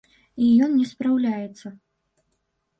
І ён не спраўляецца.